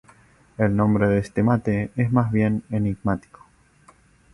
El nombre de este mate es más bien enigmático.